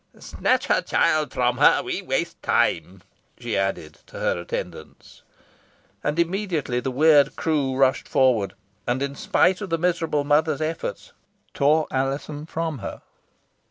Snatch her child from her we waste time," she added, to her attendants. And immediately the weird crew rushed forward, and in spite of the miserable mother's efforts tore Alizon from her.